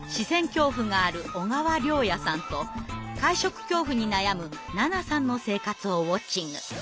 恐怖がある小川椋也さんと会食恐怖に悩むななさんの生活をウォッチング。